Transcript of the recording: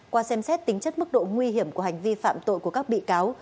qua xem xét tính chất mức độ nguy hiểm của hành vi phạm tội của các bị cáo